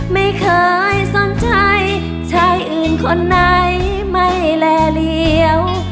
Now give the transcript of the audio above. ไม่เคยสนใจชายอื่นคนไหนไม่แลเหลว